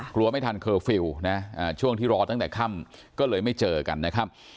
กลัวไม่ทันเคอร์ฟิลล์นะช่วงที่รอตั้งแต่ค่ำก็เลยไม่เจอกันนะครับ